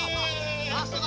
ラストだ！